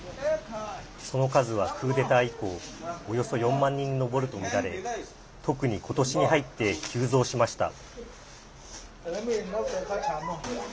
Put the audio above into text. その数はクーデター以降およそ４万人に上るとみられ特に、ことしに入って急増しました。